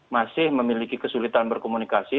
masih memiliki kesulitan berkomunikasi